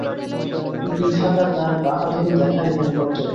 বিধাতা তাঁর বাহাদুরি দেখাইলেন বটে!